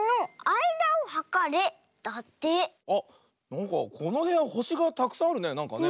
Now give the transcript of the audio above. あっなんかこのへやほしがたくさんあるねなんかね。